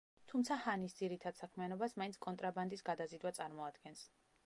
თუმცა ჰანის ძირითად საქმიანობას მაინც კონტრაბანდის გადაზიდვა წარმოადგენს.